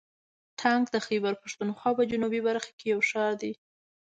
ټانک د خیبر پښتونخوا په جنوبي برخه کې یو ښار دی.